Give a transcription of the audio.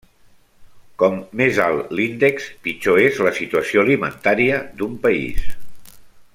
Com més alt l'índex, pitjor és la situació alimentària d'un país.